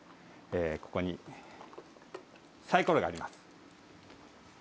ここにサイコロがあります。